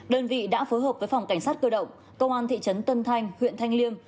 đơn vị đã phối hợp với phòng cảnh sát cơ động công an thị trấn tân thanh huyện thanh liêm